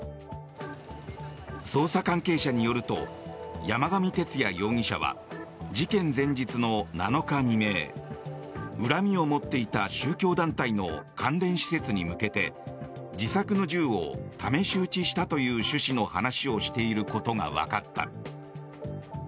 捜査関係者によると山上徹也容疑者は事件前日の７日未明恨みを持っていた宗教団体の関連施設に向けて自作の銃を試し撃ちしたという趣旨の話をしていることがわかった。